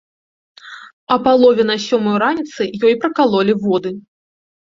А палове на сёмую раніцы ёй пракалолі воды.